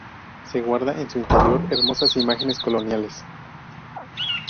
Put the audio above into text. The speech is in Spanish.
Se guarda en su interior hermosas imágenes coloniales.